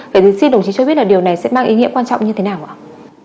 vậy thì xin đồng chí cho biết là điều này sẽ mang ý nghĩa quan trọng như thế nào ạ